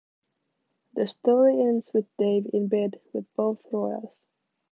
The story ends with Dave in bed with both royals.